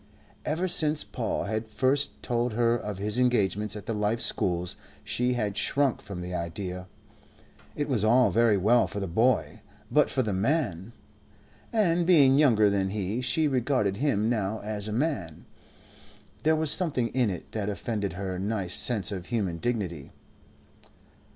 Ever since Paul had first told her of his engagements at the Life Schools she had shrunk from the idea. It was all very well for the boy; but for the man and being younger than he, she regarded him now as a man there was something in it that offended her nice sense of human dignity.